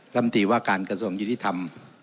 ลำตีว่าการกระทรวงยุติธรรม